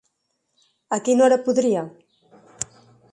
A quina hora podria?